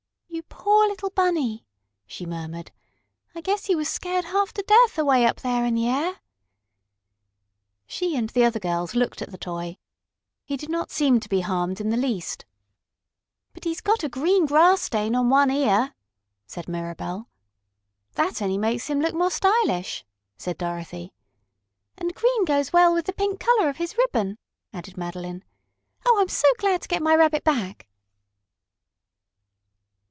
"You poor little Bunny!" she murmured. "I guess he was scared half to death away up there in the air." She and the other girls looked at the toy. He did not seem to be harmed in the least. "But he's got a green grass stain on one ear," said Mirabell. "That only makes him look more stylish," said Dorothy. "And green goes well with the pink color of his ribbon," added Madeline. "Oh, I'm so glad to get my Rabbit back."